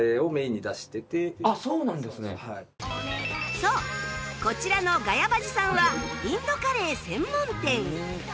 そうこちらのガヤバジさんはインドカレー専門店